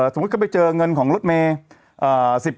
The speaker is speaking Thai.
สมมุติก็ไปเจอเงินของรถเมย์